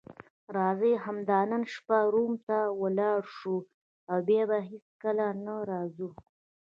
راځئ همدا نن شپه روم ته ولاړ شو او بیا به هیڅکله نه راځو.